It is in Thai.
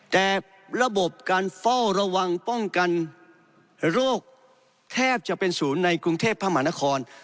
แต่ระบบการเฝ้าระวังป้องกันโรคแทบจะเป็นศูนย์ในกรุงเทพมหานคร